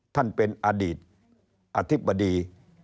ท่านเป็นอดีตอธิบดี